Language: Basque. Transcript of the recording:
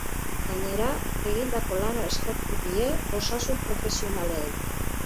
Gainera, egindako lana eskertu die osasun-profesionalei.